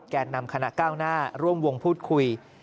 แก่นำคณะก้าวหน้าร่วมวงพูดคุย